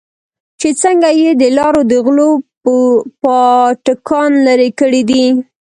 چې څنگه يې د لارو د غلو پاټکان لرې کړې دي.